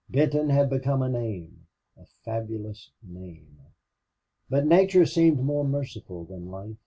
Benton had become a name a fabulous name. But nature seemed more merciful than life.